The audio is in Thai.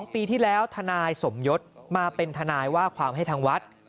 ปีที่แล้วทนายสมยศมาเป็นทนายว่าความให้ทางวัด